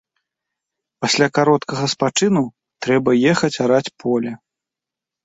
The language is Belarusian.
Пасля кароткага спачыну трэба ехаць араць поле.